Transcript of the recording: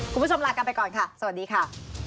คุณผู้ชมลากันไปก่อนค่ะสวัสดีค่ะ